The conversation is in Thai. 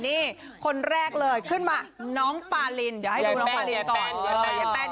นี่คนแรกเลยขึ้นมาน้องปาลินเดี๋ยวให้ดูน้องปารินก่อน